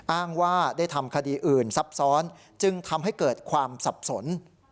อ้างว่าได้ทำคดีอื่นซับซ้อนจึงทำให้เกิดความสับสน